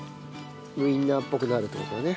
ウィンナーっぽくなるって事だね。